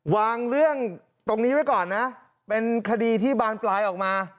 วางเรื่องตรงนี้ไว้ก่อนนะเป็นคดีที่บานปลายออกมา